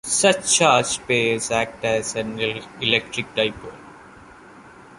Such charged pairs act as an electric dipole.